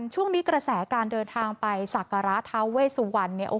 ช่วงนี้กระแสการเดินทางไปสักราษฎาเวสวรรค์